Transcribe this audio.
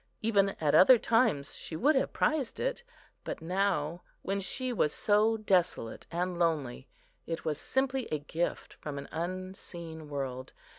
Even at other times she would have prized it, but now, when she was so desolate and lonely, it was simply a gift from an unseen world.